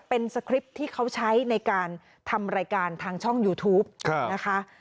เป็นสคริปต์ที่เขาใช้ในการทำรายการทางช่องยูทูปนะคะ